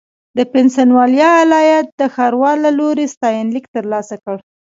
د پنسلوانیا ایالت د ښاروال له لوري ستاینلیک ترلاسه کړ.